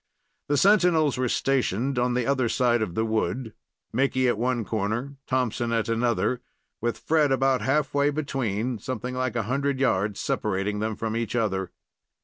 The sentinels were stationed on the other side of the wood, Mickey at one corner, Thompson at another, with Fred about half way between, something like a hundred yards separating them from each other.